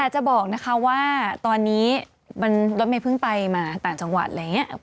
จะบอกนะคะว่าตอนนี้รถเมย์เพิ่งไปมาต่างจังหวัดอะไรอย่างนี้